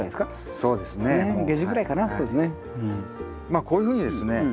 まあこういうふうにですね